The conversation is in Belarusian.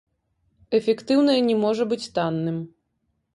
Эфектыўнае не можа быць танным.